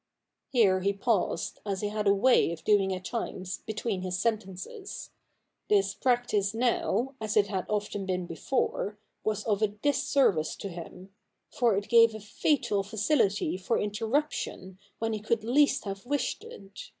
Here he paused, as he had a way of doing at times between his sentences. This practice now, as it had often been before, was of a disservice to him ; for it gave a fatal facility for interruption when he could least have wished it.